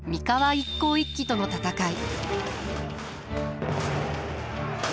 一向一揆との戦い。